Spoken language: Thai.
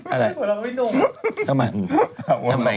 อะไรหัวเราไม่ดมทำไม